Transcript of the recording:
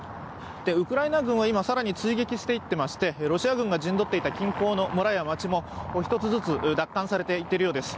ウクライナ軍は更に追撃していっていましてロシア軍が陣取っていた近郊の村や町も一つずつ奪還されていっているようです。